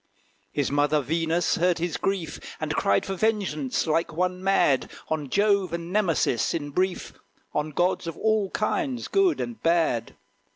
His mother, Venus, heard his grief, And cried for vengeance, like one mad, On Jove and Nemesis, in brief, On gods of all kinds, good and bad.